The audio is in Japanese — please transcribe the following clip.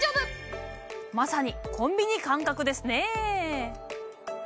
まさにコンビニ感覚ですねえ。